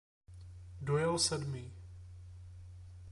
Dojel sedmý.